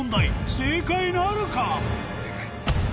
正解なるか？